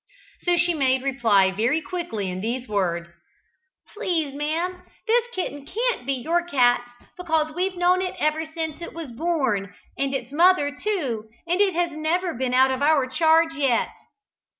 So she made reply very quickly in these words: "Please, ma'am, this kitten can't be your cat's, because we've known it ever since it was born, and its mother too, and it has never been out of our charge yet."